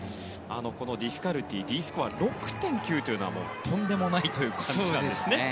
このディフィカルティーＤスコアが６．９というのはとんでもないという感じなんですね。